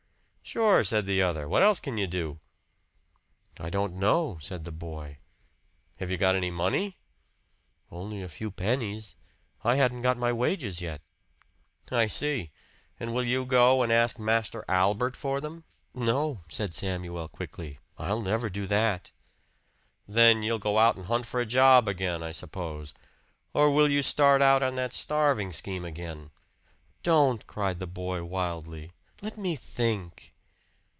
"Sure," said the other. "What else can you do?" "I don't know," said the boy. "Have you got any money?" "Only a few pennies. I hadn't got my wages yet." "I see. And will you go and ask Master Albert for them?" "No," said Samuel quickly. "I'll never do that!" "Then you'll go out and hunt for a job again, I suppose? Or will you start out on that starving scheme again?" "Don't!" cried the boy wildly. "Let me think!"